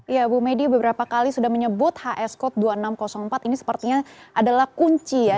ya bu medi beberapa kali sudah menyebut hs code dua ribu enam ratus empat ini sepertinya adalah kunci ya